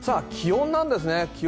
気温なんですね。